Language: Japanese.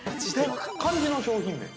漢字の商品名。